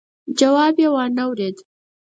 جواب يې وانه ورېد.